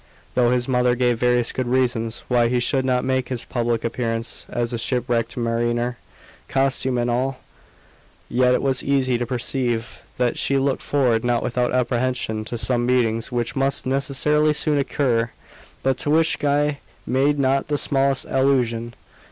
Though his mother gave various good reasons why he should not make his public appearance as a "ship wrecked mariner," costume and all, yet it was easy to perceive that she looked forward not without apprehension to some meetings which must necessarily soon occur, but to which Guy made not the smallest allusion.